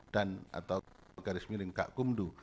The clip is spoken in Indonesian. dan atau garis milik gakkumdu